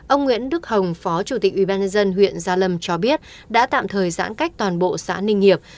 ông nguyễn đức hồng phó chủ tịch ubnd huyện gia lâm cho biết đã tạm thời giãn cách toàn bộ xã ninh hiệp